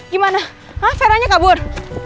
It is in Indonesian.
gimana hah fera nya kabur